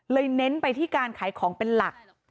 เน้นไปที่การขายของเป็นหลัก